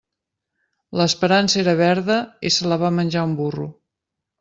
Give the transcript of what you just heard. L'esperança era verda i se la va menjar un burro.